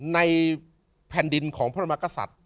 ในแผ่นดินของพระมากษัตริย์